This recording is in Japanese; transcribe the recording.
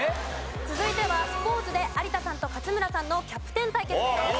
続いてはスポーツで有田さんと勝村さんのキャプテン対決です。